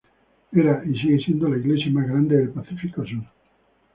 Era, y sigue siendo, la iglesia más grande del Pacífico Sur.